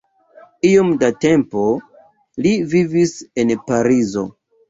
Iom da tempo li vivis en Parizo.